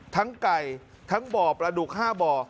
ทั้งไก่ทั้งบ่อประดูกห้าบ่อ